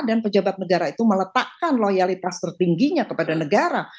dan pejabat negara itu meletakkan loyalitas tertingginya kepada negara